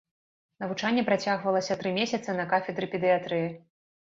Навучанне працягвалася тры месяцы на кафедры педыятрыі.